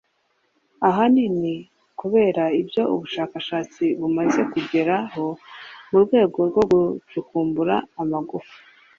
ahanini kubera ibyo ubushakashatsi bumaze kugeraho mu rwego rwo gucukumbura amagufa